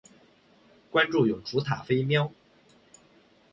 关注永雏塔菲喵